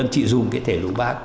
chị dùng cái thể lục bát